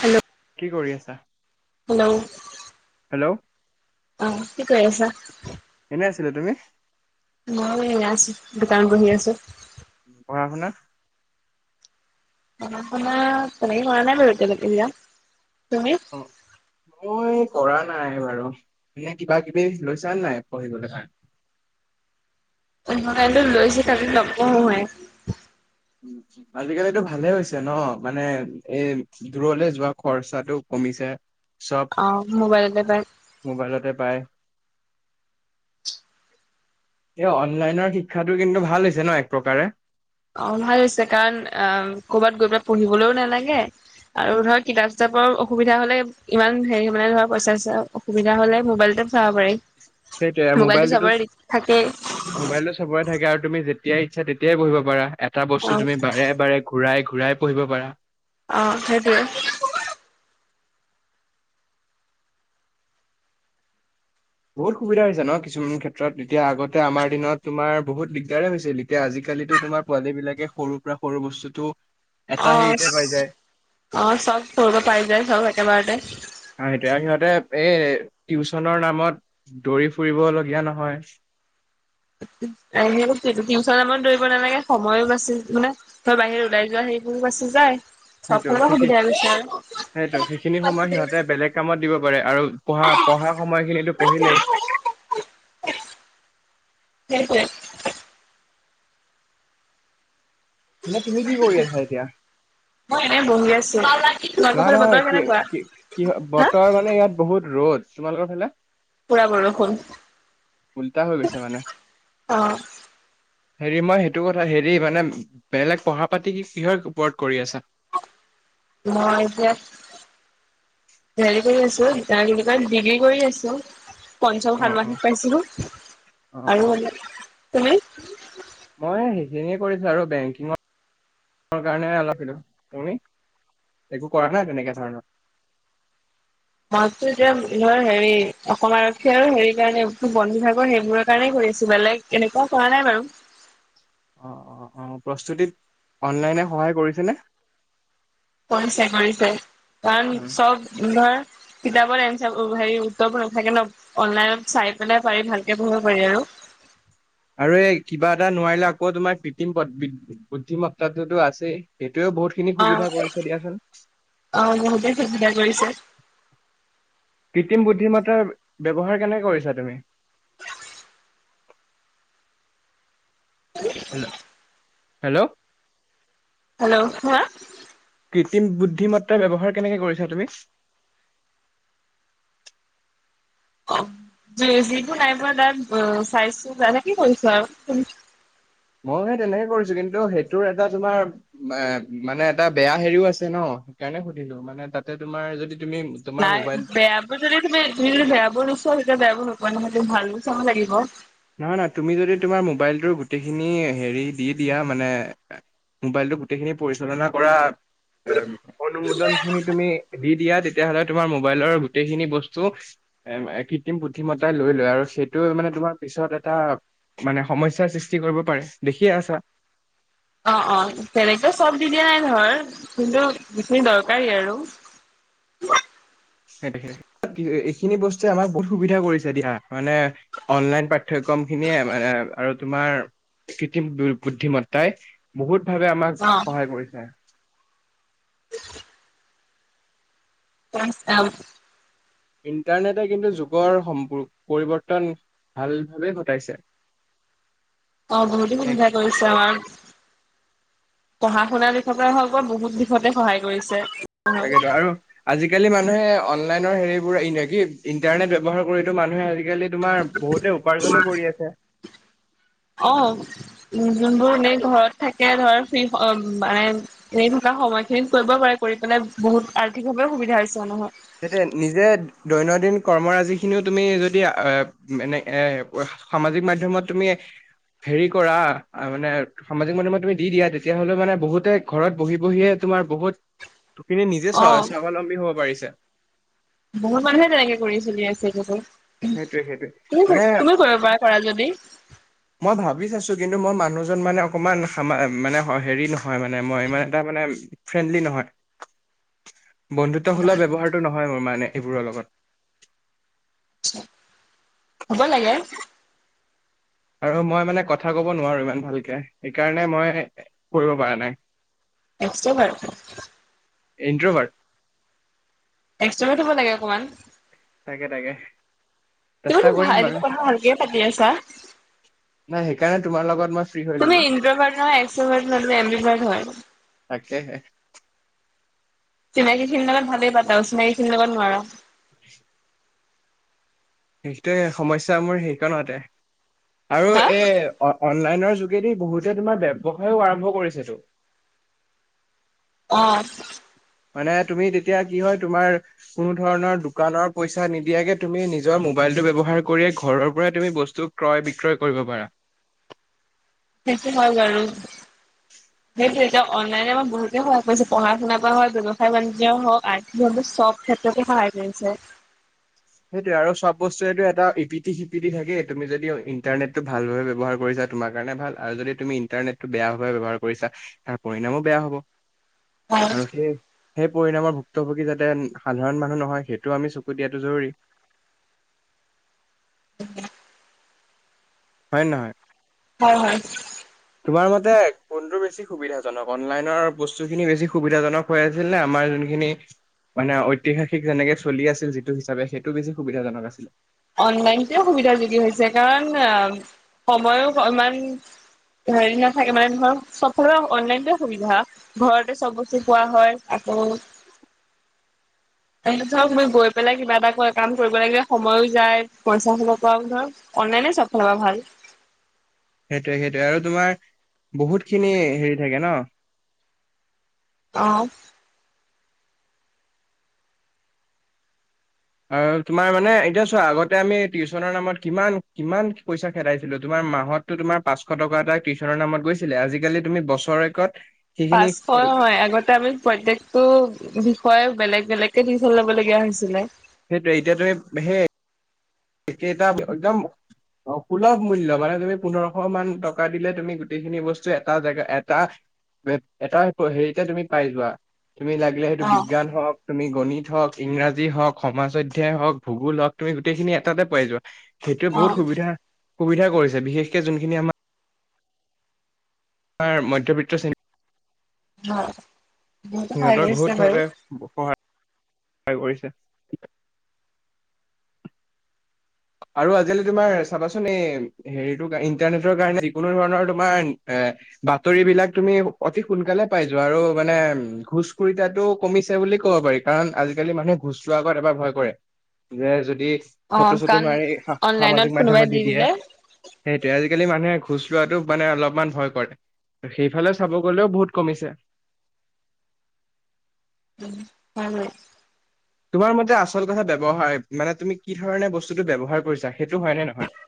Hello. কি কৰি আছা? হেল্ল'। হেল্ল'। অ' কি কৰি আছা? এনেই আছিলোঁ, তুমি? মইও এনেই আছোঁ, দোকানত বহি আছোঁ। পঢ়া শুনা? আপোনাৰ তেনেকে কৰা নাই বাৰু এতিয়ালৈকে দিয়া। তুমি? মই কৰা নাই বাৰু। এনে কিবা কিবি লৈছা নে নাই পঢ়িবলৈ কাৰনে? ম'বাইলটো লৈছোহে তাকে লগ কৰোঁহে। [unintelligible] আজিকালিতো ভালে হৈছে ন' মানে এই দূৰলে যোৱা খৰচাটো কমিছে। চব অ' মোবাইলতে পায়। মোবাইলতে পাই। এই অনলাইনৰ শিক্ষাটো কিন্তু ভাল হৈছে ন এক প্ৰকাৰে? অ' ভাল হৈছে, কাৰণ অ ক'ৰবাত গৈ পেলাই পঢ়িবলৈও নালাগে আৰু ধৰ কিতাপ চিতাপৰ অসুবিধা হ'লে ইমান হেৰি মানে ধৰ পইচা চইচা অসুবিধা হ'লে মোবাইলটে চাব পাৰি। সেইটোৱে মোবাইলটো মোবাইলটোতো চবৰে থাকেই। মোবাইলটো চাবৰে থাকে, আৰু তুমি যেতিয়াই ইচ্ছা তেতিয়াই পঢ়িব পাৰা। এটা অ বস্তু তুমি বাৰে বাৰে ঘূৰাই ঘূৰাই পঢ়িব পাৰা। অ' সেইটোৱে। বহুত সুবিধা হৈছে ন কিছুমান ক্ষেত্ৰত, এতিয়া আগতে আমাৰ দিনত তোমাৰ বহুত দিগদাৰে হৈছিল। এতিয়া আজিকালিতো তোমাৰ পোৱালী বিলাকে সৰুৰ পৰা সৰু বস্তুটো এটা হেৰিতে অ', পাই যায় অ' চব কৰিব পাৰি যে চব একেবাৰতে। অ' সেইটোৱে, সিহঁতে এই টিউচনৰ নামত দৌৰি ফুৰিব লগীয়া নহয়। টিউচনমত দৌৰিব নালাগে সময়ো বাচিল মানে। ঘৰৰ বাহিৰে ওলাই যোৱা হেইবোৰ বাছি যায়। সেইটো চবফালে সেইখিনি সুবিধা হৈছে সেইটো সেইখিনি সময় আৰু। সিহঁতে বেলেগ কামত দিব পাৰে আৰু পঢ়া পঢ়া সময়খিনিতো পঢ়িলেই সেইটোৱে [unintelligible] এনে তুমি কি কৰি আছা এতিয়া? মই এনে বহি আছো। তোমালোকৰ নহয়, ফালে নহয় বতৰ কি কেনেকুৱা? কি কিহ হা বতৰ মানে ইয়াত বহুত ৰ'দ, তোমালোকৰ ফালে? পুৰা বৰষুণ উল্টা হৈ গৈছে মানে। অ হেৰি মই সেইটো কথা হেৰি মানে বেলেগ পঢ়া পাতি কিহৰ ওপৰত কৰি আছা? মই এতিয়া হেৰি কৰি আছো ত কি কয় ডিগ্ৰী কৰি আছো। পঞ্চম অ অ ষান্যাসিক পাইছিলো, অ আৰু অ অ', তুমি? মই সেইখিনিয়ে কৰিছো, আৰু বেংকিঙৰ কাৰে অলপ, তুমি একো কৰা নাই তেনেকে ধৰণৰ? মই এতিয়া ধৰ হেৰি অসম আৰক্ষী আৰু হেৰি কাৰণে এই বন বিভাগৰ সেইবোৰৰ কাৰণেই কৰি আছো। বেলেগ এনেকুৱাও কৰা নাই বাৰু। অ' প্ৰস্তুতিত অনলাইনে সহায় কৰিছেনে? কৰিছে, কৰিছে। কাৰণ উম, চব ধৰ কিতাপৰ এঞ্চাৰ হেৰি উত্তৰবোৰ নাথাকে ন, অনলাইনত চাই পেলাই পাৰি ভালকে পঢ়িব পাৰি আৰু। আৰু এই কিবা এটা নোৱাৰিলে আকৌ তোমাৰ কৃত্ৰিম প বুদ্ধিমাত্ৰাটোতো আছেই, সেইটোয়ে বহুত খিনি অ সুবিধা কৰিছে দিয়াচোন। অ' বহুতে সুবিধা কৰিছে। কৃত্ৰিম বুদ্ধিমত্তাৰ ব্যৱহাৰ কেনেকৈ কৰিছা তুমি? হেল্ল'? হেল্লৌ' হা'? কৃত্ৰিম বুদ্ধিমত্তা ব্যৱহাৰ কেনেকে কৰিছা তুমি? অ' যিবোৰ নাই পোৱা তাত চাইছো তেনেকে কৰিছো আৰু। তুমি? মইও হেই তেনেকে কৰিছো, কিন্তু সেইটোৰ এটা তোমাৰ এ মানে এটা বেয়া হেৰিও আছে ন, সেইকাৰণে সুধিলো মানে তাতে তোমাৰ যদি তুমি তোমাৰ নাই মোবাইল বেয়া যদি তুমি তুমি যদি বেয়া বোৰ নোছোৱা তেতিয়া বেয়া বোৰ নোপোৱা নহয় তুমি ভাল বোৰ চাব লাগিব। নহয় নহয়, তুমি যদি তোমাৰ মোবাইলটোৰ গোটেইখিনি হেৰি দি দিয়া মানে- মোবাইলটোৰ গোটেইখিনি পৰিচালনা কৰা এ অনুমোদন খিনি তুমি দি দিয়া তেত- তিয়াহ'লে তোমাৰ মোবাইলৰ গোটেইখিনি বস্তু- এ কৃত্ৰিম বুদ্ধিমত্তাই লৈ লয়, আৰু সেইটোৱে মানে তোমাক- পিছত এটা মানে সমস্যাৰ সৃষ্টি কৰিব পাৰে, দেখিয়ে আছা। অঁ অঁ বেলেকটো চব দি দিয়া নাই ধৰ, কিন্তু যিখিনি দৰকাৰী আৰু। সেই তোহে, এইখিনি বস্তুৱে আমাক বহুত সুবিধা কৰিছে দিয়া। মানে- অনলাইন পাঠ্যক্ৰম খিনিয়ে আ আৰু তোমাৰ কৃত্ৰিম বু বুদ্ধিমত্তাই- বহুত ভাবে আমাক অ সহায় কৰিছে। [unintelligible] ইণ্টাৰনেটে কিন্তু, যুগৰ সম্পু পৰিৱৰ্তন ভাল ভাৱে ঘটাইছে। অঁ' বহুতো সুবিধা কৰিছে আমাৰ। পঢ়া শুনা দিশতে হওক বা বহুত দিশতে সহায় কৰিছে। তাকেতো আৰু- আজিকালি মানুহে অনলাইনৰ হেৰিবোৰ এ ন কি ইণ্টাৰনেট ব্যৱহাৰ কৰিতো মানুহে আজিকালি- তোমাৰ বহুতে উপাৰ্জনো কৰি আছে। অঁ' উম' যোনবোৰ এনেই ঘৰত থাকে ধৰ ফ্ৰী হ মাইণ্ড- এনেই থকা সময়খিনিত কৰিব পাৰে, কৰি পেলাই বহুত আৰ্থিকভাৱেও সুবিধা হৈছে নহয়। সেতোৱে নিজে দৈনন্দিন কৰ্মৰাজি খিনিও তুমি যদি আহ এনে এ- সামাজিক মাধ্যমত তুমি- হেৰি কৰা, আ মানে সামাজিক মাধ্যমত তুমি দি দিয়া তেতিয়া হলে মানে বহুতেই- ঘৰত বহি বহিয়ে তোমাৰ বহুত খিনি নিজে অ স্ব স্বাৱলম্বী হ'ব পাৰিছে। বহুত মানুহে তেনেকে কৰি চলি আছে দেখোন, সেইটোৱে সেইটোৱে তুমি মানে তুমিও কৰিব পাৰা কৰা যদি। মই ভাবি চাইছো কিন্তু, মই মানুহজন মানে অকমান সামা মানে হেৰি নহয় মানে মই ইমান এটা মানে- ফ্ৰেণ্ডলি নহয়, বন্ধুত্বসুলভ ব্যৱহাৰ টো নহয় মোৰ মানে এইবোৰৰ লগত। হ'ব লাগে। আৰু মই মানে কথা ক'ব নোৱাৰোঁ ইমান ভালকে, সেইকাৰণে মই এ কৰিব পৰা নাই। এক্স'ট' ভাৰ্ট। ইণ্ট্ৰভাৰট। এক্সটাকে থ'ব লাগে অকমান। তাকে তাকে তুমি চেষ্টা তো ভা কৰিম বাৰু এইবোৰ কথা ভালকেই পাতি আছা। নাই সেইকাৰণে তোমাৰ লগত মই ফ্ৰী হৈ তুমি ললো ইন্ট্ৰভাৰ্ট নহয় এক্সভাৰ্টো নহয় তুমি এমবি ভাৰ্ট হয়। তাকেহে। চিনাকি খিনিৰ লগত ভালেই পাতা অচিনাকি খিনিৰ লগত নোৱাৰা। [inaudible] সেইটোৱে সমস্যা মোৰ সেইকণতে, আৰু এই- অনলাইনৰ যোগেদি বহুতে তোমাৰ ব্যৱসায়িও আৰম্ভ কৰিছেতো। অঁ' মানে তুমি তেতিয়া কি হয়? তোমাৰ- কোনো ধৰণৰ দোকানৰ পইচা নিদিয়াকে তুমি নিজৰ মোবাইলটো ব্যৱহাৰ কৰিয়ে ঘৰৰ পৰাই তুমি বস্তু- ক্ৰয় বিক্ৰয় কৰিব পাৰা। সেইটো হয় বাৰু। [inaudible] সেইটোৱে, এতিয়া অনলাইনে আমাৰ বহুতে সহায় কৰিছে পঢ়া শুনা কৰা হওঁক, ব্যৱসায় বাণিজ্য হওঁক, আৰ্থিক চব ক্ষেত্ৰতে সহায় দিছে। সেইটোয়ে আৰু চব বস্তুৰেটো এটা ইপিঠি সিপিঠি থাকে তুমি যদি ইণ্টাৰনেটটো ভাল ভাবে ব্যৱহাৰ কৰিছাঁ। তোমাৰ কাৰণে ভাল আৰু যদি তুমি ইণ্টাৰনেটটো বেয়া ভাৱে ব্যৱহাৰ কৰিছা তাৰ পৰিণামো বেয়া হ'ব। হয় আৰু সেই সেই পৰিণামৰ ভুক্তভোগী যাতে সাধাৰণ মানুহ নহয় সেইটোও আমি চকু দিয়াতো জৰুৰী। [unintelligible] হয় নে নহয়? হয়, হয়। তোমাৰ মতে, ফোনটো বেছি সুবিধাজনক? অনলাইনৰ বস্তু খিনি বেছি সুবিধাজনক। হৈ আছিল নে আমাৰ যোনখিনি মানে ঐতিহাসিক যেনেকে চলি আছিল। যিটো হিচাপে সেইটো বেছি সুবিধাজনক আছিলে। অনলাইনতে সুবিধাযোগী হৈছে। কাৰণ সময়ো ইমান হেৰি নাথাকে মানে ধৰক চবৰে অনলাইন সুবিধা। ঘৰতে চব বস্তু পোৱা হয়। আকৌ [unintelligible] ধৰক মই গৈ পেলাই কিবা এটা কৈ কাম কৰিব লাগে সময়ো যায় পইচাক ধৰ অনলাইনে চব ফালে পৰা ভাল। সেইটোৱে সেইটোৱে আৰু তোমাৰ বহুত খিনি হেৰি থাকে ন। অঁ। আৰু তোমাৰ মানে এতিয়া চোৱা আগতে আমি টিউশচনৰ নামত কিমান কিমান পইচা খেদাইছিলোঁ। তোমাৰ মাহত তোমাৰ পাঁচশ টকা এটা কিটিশচনৰ নামত গৈছিলে। আজিকালি তুমি বছৰেকত সেইখিনি পাঁচশ হয়। আগতে আমি প্ৰত্যেক টো বিষয়ে বেলেগ বেলেগকে টিউশ্চেন লব লগগীয়া হৈছিলে। সেইটোৱেই এতিয়াতো সেই একেই এটা একদম অ সুলভ মূল্য মানে তুমি পোন্ধৰশ মান টকা দিলে তুমি গোটেইখিনি বস্তু এটা জেগা এটা। এটা হেৰিতে তুমি পাই যোৱা তুমি লাগিলে সেইটো অ', বিজ্ঞান হওঁক। তুমি গণিত হওঁক, ইংৰাজী হওঁক, সমাজ অধ্যয়ায় হওঁক, ভূগোল হওঁক তুমি গোটেইখিনি এটাতে পাই যোৱা। সেইটোৱে বহুত অ', সুবিধা সুবিধা কৰিছে। বিশেষকে যোনখিনি আমাৰ তোমাৰ মধ্যবিত্ত শ্ৰেণী। হয়, বহুতে সহায় সিহঁতক বহুত কৰিছে বাৰু। [inaudible] [unintelligible] কৰিছে। আৰু আজিকালি তোমাৰ চাবাচোন এই হেৰিতটো ইণ্টাৰনেটৰ কাৰণে যিকোনো ধৰণৰ তোমাৰ এ বাতৰি বিলাক তুমি অতি সোনকালে পাই যোৱা আৰু মানে ঘোজ খৰিতাটো কমিছে বুলি ক'ব পাৰি। কাৰণ আজিকালি মানুহে ঘুচ লোৱাৰ আগত এবাৰ ভয় কৰে যে যদি অ, ফটো চটো কাৰণ মাৰি সা- সামাজিক অনলাইনত মাধ্যমত কোনোবাই দি দিয়ে দিলে সেইটোৱে আজিকালি মানুহে ঘোচ লোৱাটো মানে অলপমান ভয় কৰে। সেইফালে চাব গ'লেও বহুত কমিছে। হয়, হয়। তোমাৰ মতে আচল কথা ব্যয়ৱহাৰ মানে তুমি কি ধৰণে বস্তুতটো ব্যৱহাৰ কৰিছাঁ। সেইটো হয় নে নহয়?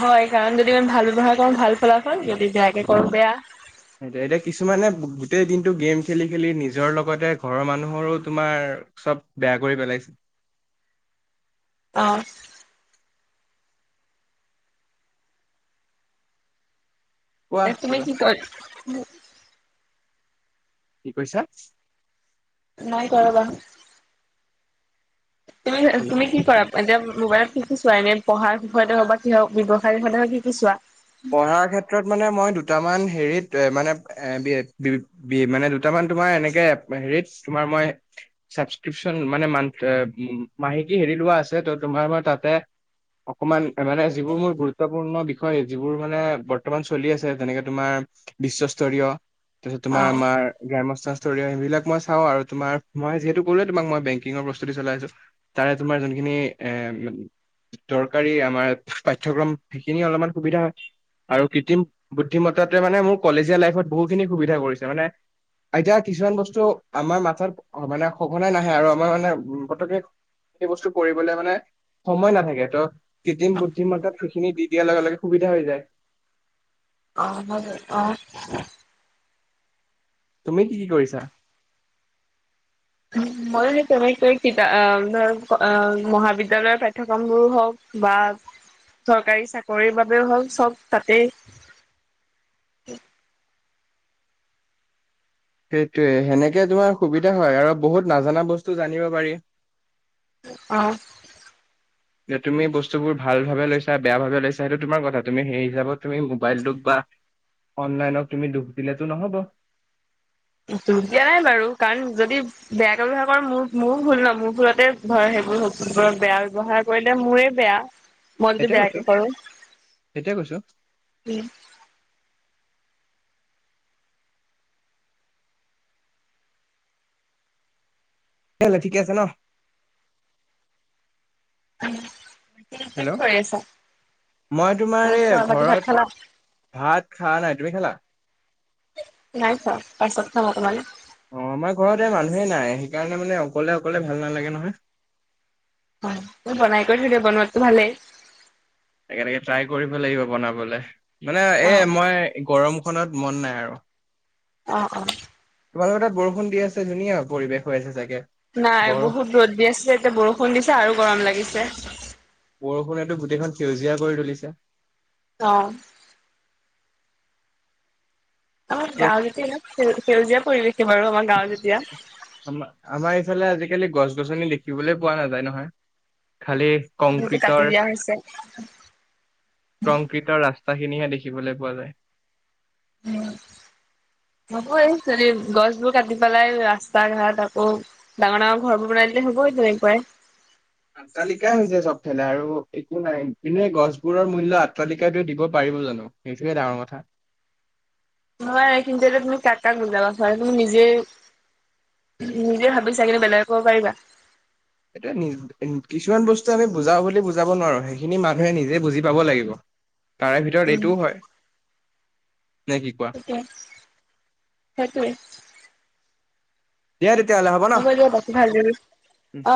হয় কাৰণ যদি আমি ভাল ব্যৱহাৰ কৰোঁ ভাল ফলাফল। যদি বেয়াকে কৰো বেয়া। [unintelligible] এতিয়া কিছুমানে গোটেই দিনটো গেম খেলি খেলি নিজৰ লগতে ঘৰৰ মানুহৰো তোমাৰ চব বেয়া কৰি পেলাইছ অচ কোৱা এ তুমি কিবা কি কয় হু? কি কৈছা? নাই কৰবা। তুমি এ হেল্ল' তুমি কি কৰা? এতিয়া মোবাইলত কি কি চোৱা এনে পঢ়াৰ বিষয়তে হওক বা কি হওক ব্যৱসায় বিষয়তে হওক কি কি চোৱা পঢ়াৰ ক্ষেত্ৰত মানে মই দুটামান হেৰিত এ মানে এ বি এ বিভি বি মানে দুটামান তোমাৰ এনেকে হেৰিত তোমাৰ মই ছাবস্ক্ৰিপ্যন মানে মান্থ আ মাহেকী হেৰি লোৱা আছে, ত তোমাৰ মই তাতে অকমান মানে যিবোৰ মোৰ গুৰুত্বপূৰ্ণ বিষয় যিবোৰ মানে বৰ্তমান চলি আছে যেনেকে তোমাৰ বিশ্বস্তৰীয় তাৰপিছত তোমাৰ অ', আমাৰ গ্ৰাম্য স্তৰ স্তৰি সেইবিলাক মই চাওঁ আৰু তোমাৰ, মই যিহেতু কলোৱে তোমাক মই বেংকিঙৰ প্ৰস্তুতি চলাইছো তাৰে তোমাৰ যোনখিনি এ দৰকাৰী আমাৰ পাঠ্যক্ৰম সেইখিনি অলপমান সুবিধা হয় আৰু কৃত্ৰিম বুদ্ধিমত্তাটোৱে মানে মোৰ কলেজীয়া লাইফত বহুতখিনি সুবিধা কৰিছে মানে এতিয়া কিছুমান বস্তু আমাৰ মাথাত মানে সঘনাই নাহে আৰু আমাৰ মানে পতককে সেই বস্তু কৰিবলে মানে সময় নাথাকে ত কৃত্ৰিম বুদ্ধিমত্তাত সেইখিনি দি দিয়াৰ লগে লগে সুবিধা হৈ যায়। [unintelligible] তুমি কি কি কৰিছা? উম মইও সেই তেনেকৈ কিতা অ', ধৰক অ', মহাবিদ্যালয়ৰ পাঠ্যক্ৰমবোৰো হওক বা চৰকাৰী চাকৰিৰ বাবেও হওক চব তাতেই সেইটোয়ে, সেনেকে তোমাৰ সুবিধা হয় আৰু বহুত নাজানা বস্তু জানিব পাৰি। অ'। যে তুমি বস্তুবোৰ ভাল ভাবে লৈছা, বেয়া ভাবে লৈছা সেইটো তোমাৰ কথা, তুমি সেই হিচাপত তুমি মোবাইলটোক বা অনলাইনক তুমি দুষ দিলেতো নহ'ব। দোষ দিয়া নাই বাৰু কাৰণ যদি বেয়াকে ব্যৱহাৰ কৰা মোৰ মোৰ ভুল ন, মোৰ ভুলতে ধৰ সেইবোৰবোৰৰ বেয়া ব্যৱহাৰ কৰিলে মোৰে বেয়া, মই যদি সেইটোয়ে কৈছো বেয়াকে কৰো, সেইটোয়ে কৈছো উম'। [unintelligible] ঠিকে আছে ন। উম। হেল্ল', মই অ তোমাৰ এই খোৱা বাকী ভাত ঘৰত খালা ভাত খা নাই, তুমি খালা? নাই খোৱা পাছত খাম অকমান। অ', আমাৰ ঘৰত এই মানুহে নাই সেইকাৰণে মানে অকলে অকলে ভাল নালাগে নহয়। অ', তই বনাই কৰি থৈ দে, বনোৱাতো ভালেই। এনেকে এনেকে ট্ৰাই কৰিব লাগিব বনাবলে মানে অ এ মই গৰমখনত মন নাই আৰু। অ', অ'। তোমালোকৰ তাত বৰষুণ দি আছে ধুনীয়া পৰিৱেশ হৈ আছে চাগে? নাই বৰ বহুত ৰ'দ দি আছিলে এতিয়া বৰষুণ দিছে আৰু গৰম লাগিছে। বৰষুণেতো গোটেইখন সেউজীয়া কৰি তুলিছে। অ'। আমাৰ গাঁও যেতিয়া ইয়াত সেউ সেউজীয়া পৰিৱেশে বাৰু আমাৰ গাঁও যেতিয়া। আমা আমাৰ এইফালে আজিকালি গছ - গছনি দেখিবলৈ পোৱা নাযায় নহয়। খালী যিহেতু কাটি কংক্ৰিটৰ দিয়া হৈছে কংক্ৰিটৰ ৰাস্তা খিনিহে দেখিবলৈ পোৱা যায়। [inaudible] হ'ব। এই চবে গছবোৰ কাটি পেলাই ৰাস্তা ঘাট আকৌ ডাঙৰ ডাঙৰ ঘৰবোৰ বনাই, দিলে হ'বই তেনেকুৱাই। আট্টালিকাই হৈছে। চবফালে আৰু একো নাই, কিন্তু এই গছবোৰৰ মূল্য আট্টালিকাটোৱে দিব পাৰিব জানো? সেইটোৱে ডাঙৰ কথা। হয়। কিন্তু, এতিয়া তুমি কাক কাক বুজাবা [unintelligible] নিজে নিজে ভাবি চা কিন্তু বেলেগক ক'ব পাৰিবা? সেইটোৱেই নিজ কিছুমান বস্তু আমি বুজাওঁ বুলি বুজাব নোৱাৰো। সেইখিনি মানুহে নিজে বুজি পাব লাগিব। তাৰে ভিতৰত উম এইটোও হয়। নে কি কোৱা? [unintelligible] সেইটোৱে দিয়া তেতিয়া হ'লে হ'ব ন হ'ব দিয়া, বাকী ভালদৰে উম